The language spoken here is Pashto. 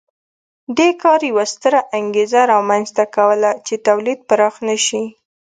دې کار یوه ستره انګېزه رامنځته کوله چې تولید پراخ نه شي